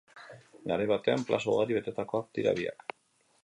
Garai batean plaza ugari betetakoak dira biak.